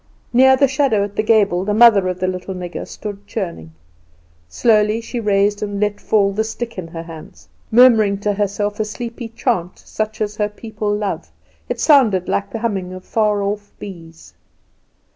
Near the shadow at the gable the mother of the little nigger stood churning. Slowly she raised and let fall the stick in her hands, murmuring to herself a sleepy chant such as her people love; it sounded like the humming of far off bees.